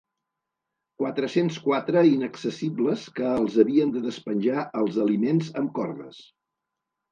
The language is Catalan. Quatre-cents quatre inaccessibles que els havien de despenjar els aliments amb cordes.